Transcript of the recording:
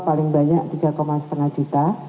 paling banyak tiga lima juta